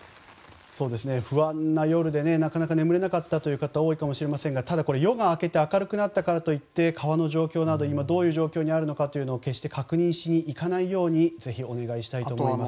不安な夜でなかなか眠れなかった方も多いかもしれませんがただ夜が明けて明るくなったからといって川の状況など、今、どういう状況にあるのかというのを決して確認しに行かないようにぜひお願いしたいと思います。